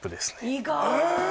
意外！